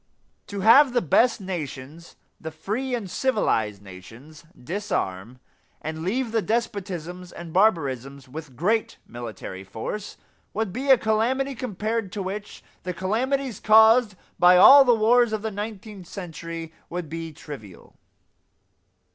To have the best nations, the free and civilized nations, disarm and leave the despotisms and barbarisms with great military force, would be a calamity compared to which the calamities caused by all the wars of the nineteenth century would be trivial.